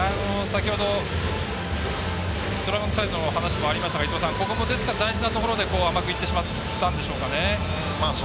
先ほど、ドラゴンズサイドの話もありましたがここも大事なところで甘くいってしまったんでしょうか。